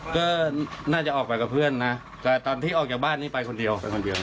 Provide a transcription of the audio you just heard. ก็ออกไปกับเพื่อนแต่ไว้คนเดียว